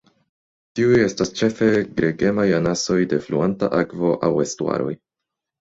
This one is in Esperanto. Tiuj estas ĉefe gregemaj anasoj de fluanta akvo aŭ estuaroj.